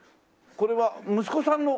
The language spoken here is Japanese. これは息子さんの。